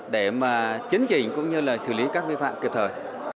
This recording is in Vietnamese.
để mà chứng chỉnh cũng như là xử lý các vi phạm kịp thời